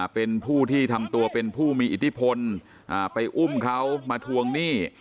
เป็นผู้ที่ทำตัวเป็นผู้มีอิทธิพลไปอุ้มเขามาทวงหนี้